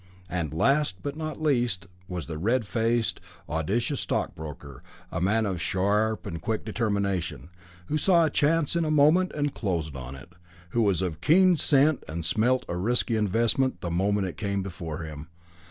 And last, but not least, was the red faced, audacious stockbroker; a man of sharp and quick determination, who saw a chance in a moment and closed on it, who was keen of scent and smelt a risky investment the moment it came before him.